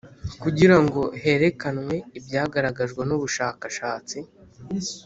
kugira ngo herekanwe ibyagaragajwe n ubushakashatsi